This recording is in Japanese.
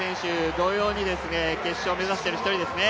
同様に、決勝目指している１人ですね。